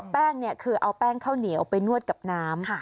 นี่คือเอาแป้งข้าวเหนียวไปนวดกับน้ำ